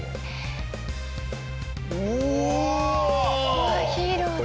うわヒーローだ。